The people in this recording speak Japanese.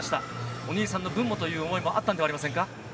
お兄さんの分もという思いもあったのではありませんか？